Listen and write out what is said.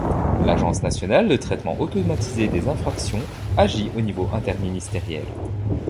L'Agence Nationale de Traitement Automatisé des Infractions agit au niveau interministériel.